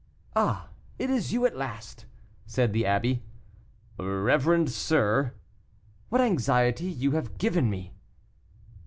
"Ah! it is you at last," said the abbé. "Reverend sir " "What anxiety you have given me."